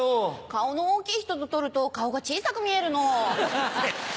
顔の大きい人と撮ると顔が小さく見えるの。